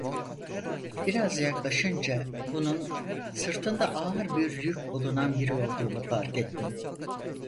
Biraz yaklaşınca, bunun, sırtında ağır bir yük bulunan biri olduğunu fark ettim.